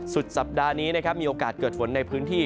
สุดสัปดาห์นี้นะครับมีโอกาสเกิดฝนในพื้นที่